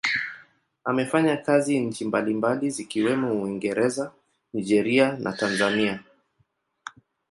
Amefanya kazi nchi mbalimbali zikiwemo Uingereza, Nigeria na Tanzania.